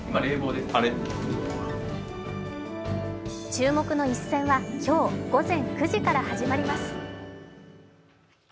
注目の一戦は今日午前９時から始まります。